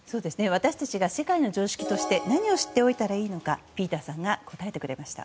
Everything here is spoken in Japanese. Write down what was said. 私たちが世界の常識として何を知っておいたほうがいいのかピーターさんが答えてくれました。